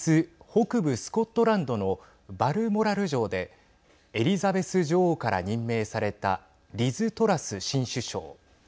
北部スコットランドのバルモラル城でエリザベス女王から任命されたリズ・トラス新首相。